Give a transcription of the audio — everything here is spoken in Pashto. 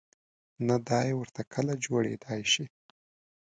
نه دای ورته کله جوړېدای شي.